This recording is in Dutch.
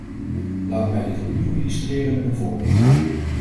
Laat mij dit opnieuw illustreren met een voorbeeld.